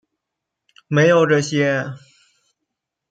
没有这些